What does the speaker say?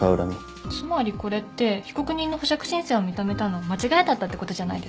つまりこれって被告人の保釈申請を認めたの間違いだったってことじゃないですか。